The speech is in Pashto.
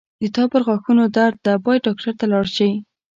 د تا پرغاښونو درد ده باید ډاکټر ته لاړ شې